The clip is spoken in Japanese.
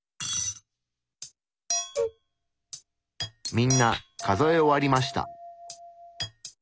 みんな数え終わりました。